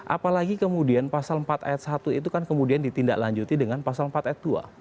apalagi kemudian pasal empat ayat satu itu kan kemudian ditindaklanjuti dengan pasal empat ayat dua